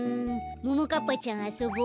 ももかっぱちゃんあそぼ。